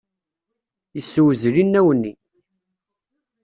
Yessewzel inaw-nni.